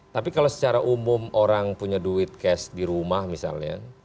tapi kalau secara umum orang punya duit cash di rumah misalnya